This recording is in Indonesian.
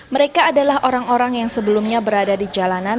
mereka adalah orang orang yang sebelumnya berada di jalanan